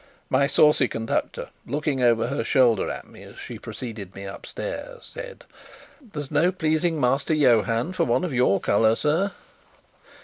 My saucy conductor, looking over her shoulder at me as she preceded me upstairs, said: "There's no pleasing Master Johann for one of your colour, sir."